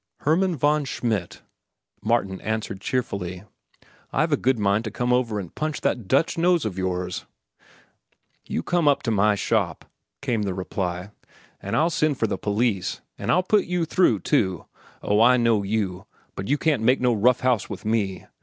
"Hermann von Schmidt," Martin answered cheerfully, "I've a good mind to come over and punch that Dutch nose of yours." "You come to my shop," came the reply, "an' I'll send for the police. An' I'll put you through, too. Oh, I know you, but you can't make no rough house with me.